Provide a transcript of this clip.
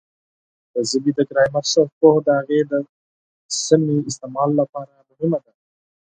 د ژبې د ګرامر ښه پوهه د هغې د سمې استعمال لپاره مهمه ده.